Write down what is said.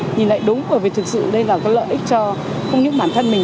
nhìn lại đúng bởi vì thực sự đây là cái lợi ích cho không những bản thân mình